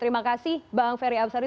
terima kasih bang ferry amsari